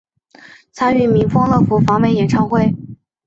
参与民风乐府访美演唱会。